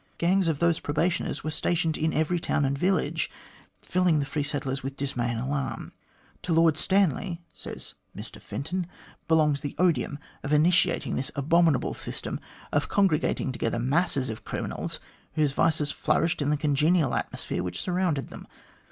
Gangs of those probationers were stationed in every town and village, filling the free settlers with dismay and alarm. To Lord Stanley, says Mr Fenton, belongs the odium of initiating this abominable system of congregating together masses of criminals, whose vices flourished in the congenial atmosphere which surrounded them.